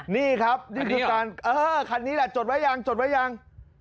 นี่ครับนี่คือการเออคันนี้แหละจดไว้ยังจดไว้ยัง